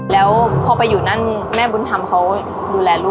แล้วพอไปอยู่นั่นแม่บุญธรรมเขาดูแลลูก